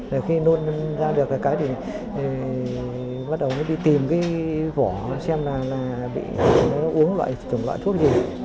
rồi khi nôn ra được cái cái thì bắt đầu đi tìm cái vỏ xem là bị uống loại chủng loại thuốc gì